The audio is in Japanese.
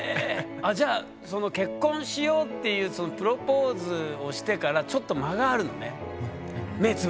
じゃあ結婚しようっていうプロポーズをしてからちょっと間があるのね。